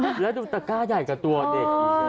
ไปแล้วแล้วดูตะกร้าใหญ่กับตัวเด็ก